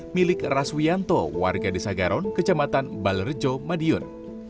milik raswianto warga desa garon kecamatan balerejo madiun